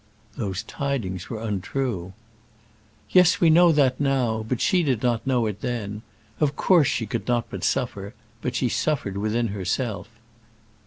"Those tidings were untrue." "Yes, we know that now; but she did not know it then. Of course she could not but suffer; but she suffered within herself."